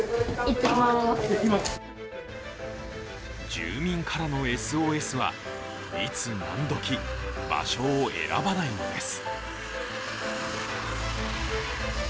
住民からのＳＯＳはいつ何時、場所を選ばないのです。